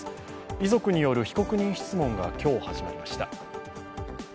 遺族による被告人質問が今日始まりました。